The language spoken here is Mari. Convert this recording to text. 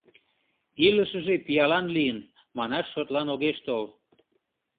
Илышыже пиалан лийын, манаш шотлан огеш тол.